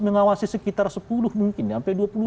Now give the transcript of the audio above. mengawasi sekitar sepuluh mungkin sampai